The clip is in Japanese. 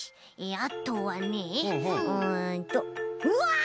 あとはねうんとうわっ！